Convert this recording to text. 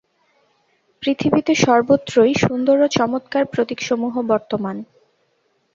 পৃথিবীতে সর্বত্রই সুন্দর ও চমৎকার প্রতীকসমূহ বর্তমান।